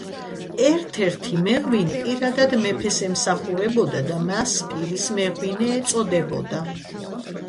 ერთ-ერთი მეღვინე პირადად მეფეს ემსახურებოდა და მას „პირის მეღვინე“ ეწოდებოდა.